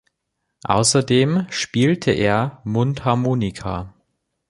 Außerdem spielte er Mundharmonika.